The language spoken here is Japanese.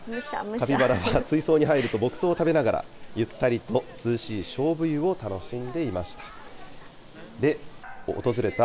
カピバラは水槽に入ると牧草を食べながらゆったりと涼しいしょうぶ湯を楽しんでいました。